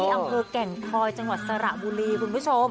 อำเภอแก่งคอยจังหวัดสระบุรีคุณผู้ชม